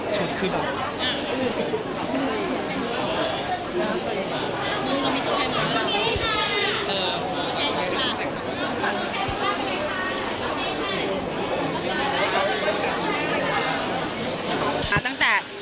ชุดขึ้นอ่ะ